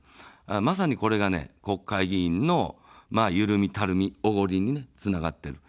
まさにこれが国会議員のゆるみ、たるみ、おごりにつながっている。